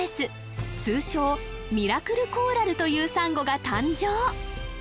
通称ミラクルコーラルというサンゴが誕生